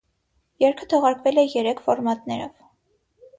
Երգը թողարկվել է երեք ֆորմատներով։